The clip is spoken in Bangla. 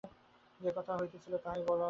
যে-কথা হইতেছিল তাহাই বলো না।